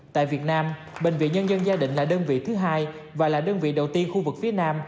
tại việt nam bệnh viện nhân dân gia định là đơn vị thứ hai và là đơn vị đầu tiên khu vực phía nam